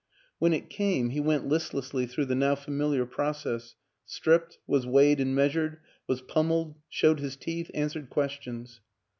When it came he went listlessly through the now familiar process, stripped, was weighed and measured, was pummeled, showed his teeth, answered questions.